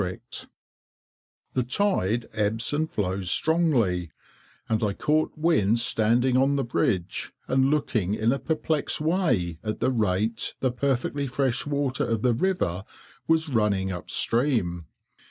[Picture: Hickling Broad] The tide ebbs and flows strongly; and I caught Wynne standing on the bridge, and looking in a perplexed way at the rate the perfectly fresh water of the river was running up stream.